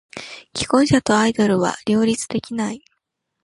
既婚者とアイドルは両立できない。